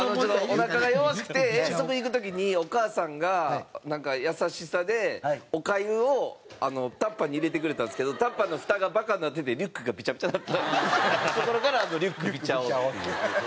おなかが弱くて遠足行く時にお母さんがなんか優しさでおかゆをタッパーに入れてくれたんですけどタッパーのふたがバカになっててリュックがびちゃびちゃになったところから「リュックびちゃ男」っていう。